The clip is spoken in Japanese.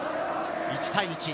１対１。